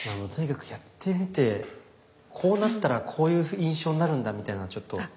とにかくやってみてこうなったらこういう印象になるんだみたいなのをちょっと。